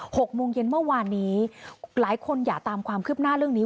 หกโมงเย็นเมื่อวานนี้หลายคนอย่าตามความคืบหน้าเรื่องนี้